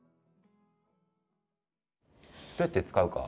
どうやって使うか。